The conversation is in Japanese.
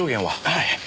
はい。